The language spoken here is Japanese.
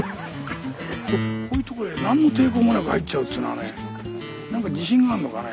こういうとこへ何の抵抗もなく入っちゃうっていうのはね何か自信があんのかね？